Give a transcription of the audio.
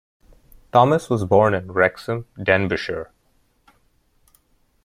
Thomas was born in Wrexham, Denbighshire.